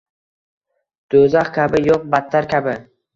Do’zax kabi, yo’q, battar kabi…